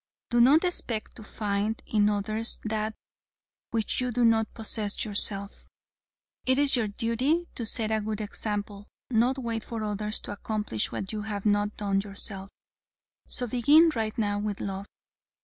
Do not expect to find in others that which you do not possess yourself. It is your duty to set a good example, not wait for others to accomplish what you have not done yourself. So begin right now with love.